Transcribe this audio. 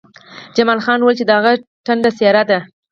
جمال خان وویل چې د هغه ټنډه څیرې ده